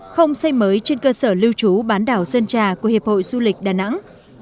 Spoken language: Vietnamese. không xây mới trên cơ sở lưu trú bán đảo sơn trà của hiệp hội du lịch đà nẵng